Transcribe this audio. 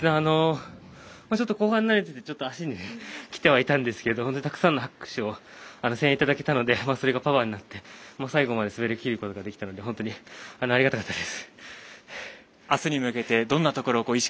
後半のほう、足にきてはいたんですけどたくさんの拍手声援をいただけたのでそれがパワーになって最後まで滑りきることができたので本当にありがたかったです。